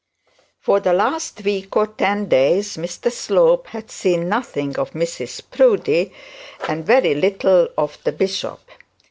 For the last week or ten days, Mr Slope had seen nothing of Mrs Proudie, and very little of the bishop.